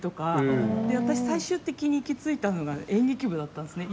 私、最終的に行き着いたのが演劇部だったんですね。